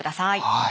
はい。